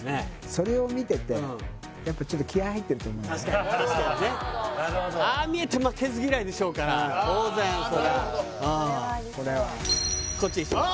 それを見ててやっぱちょっと確かに確かにねなるほどああ見えて負けず嫌いでしょうから当然それはそれはありそうこっちにします